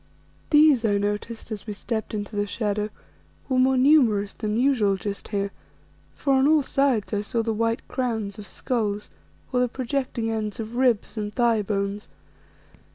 These, I noticed, as we stepped into the shadow, were more numerous than usual just here, for on all sides I saw the white crowns of skulls, or the projecting ends of ribs and thigh bones.